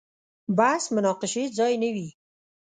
بحث مناقشې ځای نه وي.